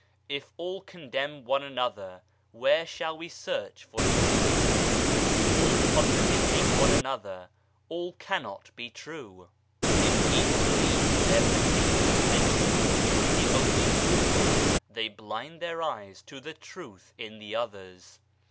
If all condemn one another, where shall we search for Truth ? All contradicting one another, all cannot be True. If each believe their particular Religion to be the only true one, they blind their eyes to the Truth in the others.